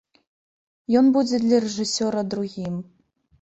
Ён будзе для рэжысёра другім.